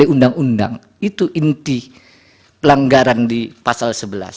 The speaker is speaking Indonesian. ini inti pelanggaran pasal sebelas